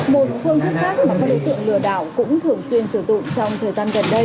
một phương thức khác mà các đối tượng lừa đảo cũng thường xuyên sử dụng trong thời gian gần đây